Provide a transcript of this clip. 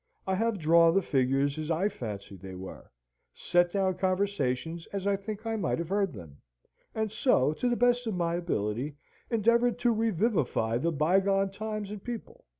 I have drawn the figures as I fancied they were; set down conversations as I think I might have heard them; and so, to the best of my ability, endeavoured to revivify the bygone times and people.